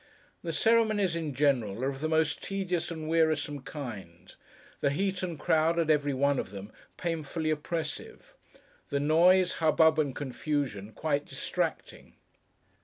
The ceremonies, in general, are of the most tedious and wearisome kind; the heat and crowd at every one of them, painfully oppressive; the noise, hubbub, and confusion, quite distracting.